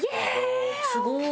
すごい！